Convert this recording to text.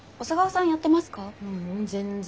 ううん全然。